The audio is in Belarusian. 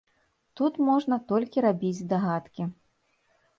Тут можна толькі рабіць здагадкі.